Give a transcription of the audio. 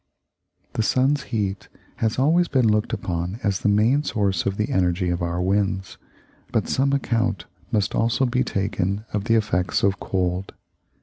The sun's heat has always been looked upon as the main source of the energy of our winds, but some account must also be taken of the effects of cold.